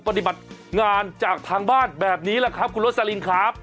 ปฏิบัติงานจากทางบ้านแบบนี้แหละครับคุณโรสลินครับ